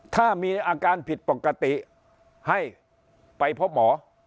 ถ้ามีอาการผิดปกติให้ไปพบหมอ